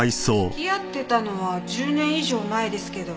付き合ってたのは１０年以上前ですけど。